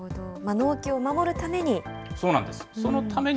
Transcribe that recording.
納期を守るために。